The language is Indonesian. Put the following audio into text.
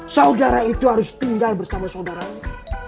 saudara itu harus tinggal bersama saudaranya